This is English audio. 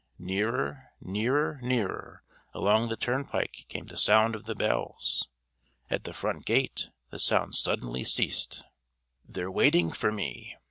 Nearer, nearer, nearer, along the turnpike came the sound of the bells. At the front gate the sound suddenly ceased. "They're waiting for me!"